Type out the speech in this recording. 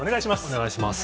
お願いします。